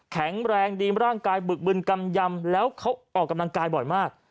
แข็งแรงดีร่างกายบึกบึนกำยำแล้วเขาออกกำลังกายบ่อยมาก